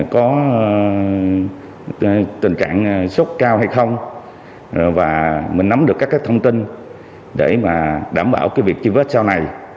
có tình trạng sốc cao hay không và mình nắm được các thông tin để đảm bảo việc chi vết sau này